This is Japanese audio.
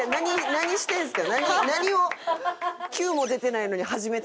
何してんすか？